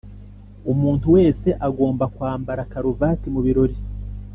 umuntu wese agomba kwambara karuvati mubirori.